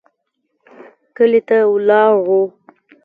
کلي ته ولاړو.